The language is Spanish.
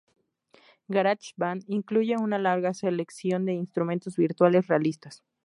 GarageBand incluye una larga selección de instrumentos virtuales realistas.